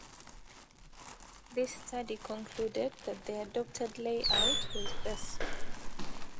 This study concluded that the adopted layout was best.